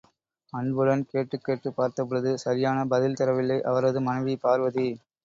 அன்புடன் கேட்டுக் கேட்டுப் பார்த்தபொழுது, சரியான பதில் தரவில்லை அவரது மனைவி பார்வதி.